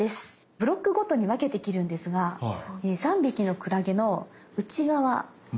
ブロックごとに分けて切るんですが３匹のクラゲの内側。